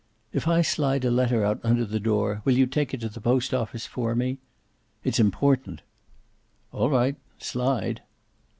"If I slide a letter out under the door, will you take it to the post office for me? It's important." "All right. Slide."